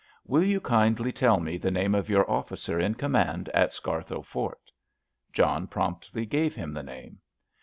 "Will you kindly tell me the name of your officer in command at Scarthoe Fort?" John promptly gave him the name.